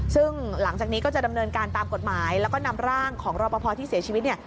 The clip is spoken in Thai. ซึ่งหลังจากนี้ก็จะดำเนินการตามกฎหมายแล้วก็นำร่างของรอปภที่เสียชีวิตเนี่ย